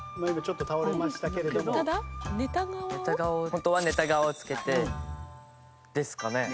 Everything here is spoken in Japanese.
ホントはネタ側をつけてですかね。